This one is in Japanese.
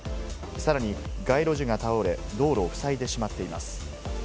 さらに街路樹が倒れ、道路を塞いでしまっています。